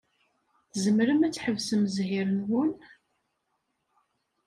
Tzemrem ad tḥebsem zzhir-nwen?